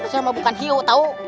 saya mau bukan hiu tahu